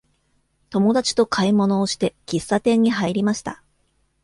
友達と買い物をして、喫茶店に入りました。